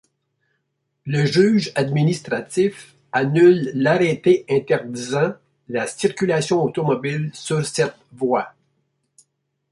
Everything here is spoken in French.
Le juge administratif annule l'arrêté interdisant la circulation automobile sur cette voie.